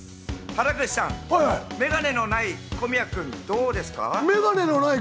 原口さん、メガネのない小宮君、どうですか？